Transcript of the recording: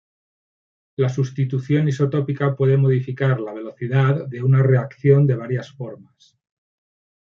La sustitución isotópica puede modificar la velocidad de una reacción de varias formas.